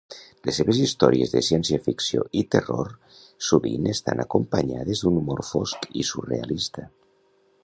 Les seves històries de ciència-ficció i terror sovint estan acompanyades d'un humor fosc i surrealista.